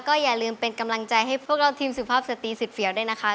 ก็อย่าลืมเป็นกำลังใจให้พวกเราทีมสุภาพสตรีสุดเฟียวด้วยนะคะ